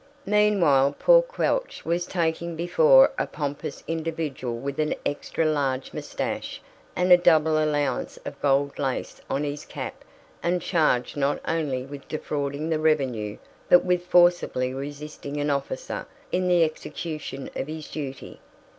Meanwhile poor Quelch was taken before a pompous individual with an extra large moustache and a double allowance of gold lace on his cap and charged not only with defrauding the revenue, but with forcibly resisting an officer in the execution of his duty.